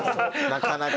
なかなか。